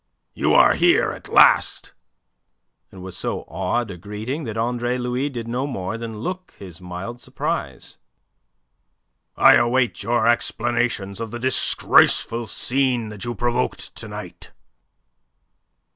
"You are here at last!" It was so odd a greeting that Andre Louis did no more than look his mild surprise. "I await your explanations of the disgraceful scene you provoked to night."